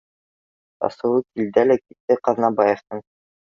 Асыуы килде лә китте Ҡаҙнабаевтың: